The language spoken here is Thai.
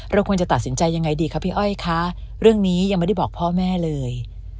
ควรจะตัดสินใจยังไงดีคะพี่อ้อยคะเรื่องนี้ยังไม่ได้บอกพ่อแม่เลย